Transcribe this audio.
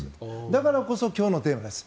だからこそ今日のテーマです。